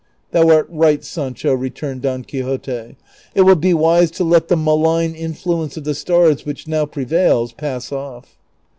" Thou art right, Sancho," returned Don Quixote ;" it will be wise to let the malign influence of the stars which now pre vails pass off."